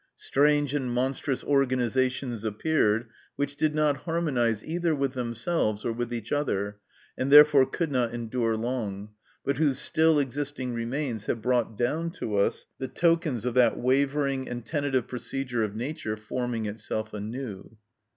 Strange and monstrous organisations appeared which did not harmonise either with themselves or with each other, and therefore could not endure long, but whose still existing remains have brought down to us the tokens of that wavering and tentative procedure of Nature forming itself anew.